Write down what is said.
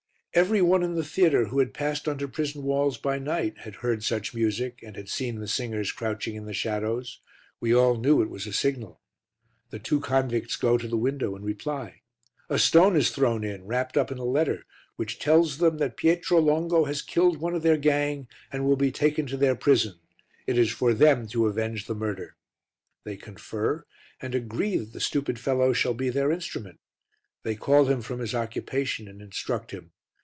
Every one in the theatre who had passed under prison walls by night had heard such music and had seen the singers crouching in the shadows; we all knew it was a signal. The two convicts go to the window and reply. A stone is thrown in, wrapped up in a letter, which tells them that Pietro Longo has killed one of their gang and will be taken to their prison; it is for them to avenge the murder. They confer and agree that the stupid fellow shall be their instrument. They call him from his occupation and instruct him.